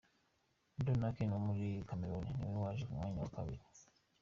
Don Akim wo muri Cameroun niwe waje ku mwanya wa kabiri.